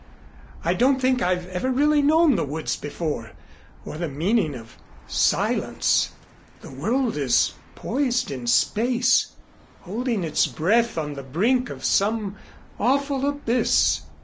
I don't think I've ever really known the woods before or the meaning of silence. The world is poised in space holding its breath on the brink of some awful abyss.